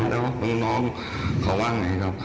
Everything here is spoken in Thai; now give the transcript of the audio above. แล้วพี่น้องเขาว่าอย่างไรครับ